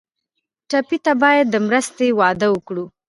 ټپي ته باید د مرستې وعده وکړو.